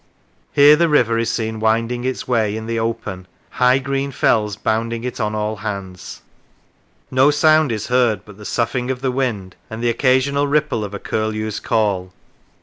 Here the river is seen winding its way in the open : high green fells bounding it on all hands. No sound is heard but the soughing of the wind and the occasional ripple of a curlew's call.